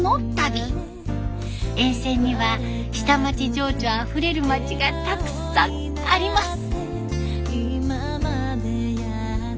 沿線には下町情緒あふれる町がたくさんあります。